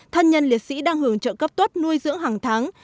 thân nhân liệt sĩ đang hưởng trợ cấp tuất nuôi dưỡng hàng tháng